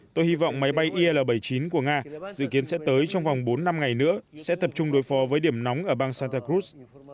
tôi hy vọng máy bay il bảy mươi chín của nga dự kiến sẽ tới trong vòng bốn năm ngày nữa sẽ tập trung đối phó với điểm nóng ở bang santa crrus